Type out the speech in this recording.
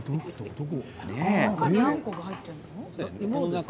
あんこが入っているの？